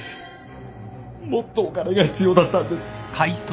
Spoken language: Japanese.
もっとお金が必要だったんです。